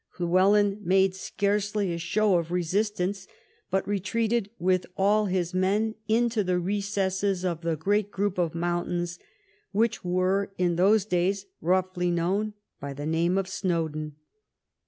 Llywelyn made scarcely a show of resistance, but retreated with all his men into the re cesses of the great group of mountains which were in those days roughly known by the name of Snowdon.